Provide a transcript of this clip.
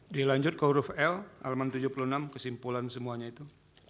dilanjut ke huruf ln tujuh puluh enam kesimpulan semuanya itu